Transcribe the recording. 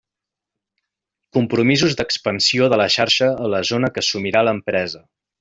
Compromisos d'expansió de la xarxa a la zona que assumirà l'empresa.